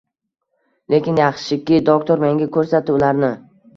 Lekin yaxshiki doktor menga ko’rsatdi ularni.